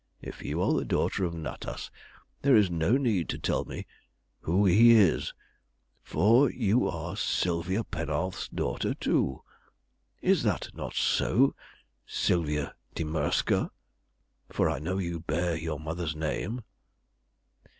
"If you are the daughter of Natas, there is no need to tell me who he is, for you are Sylvia Penarth's daughter too. Is not that so, Sylvia di Murska for I know you bear your mother's name?"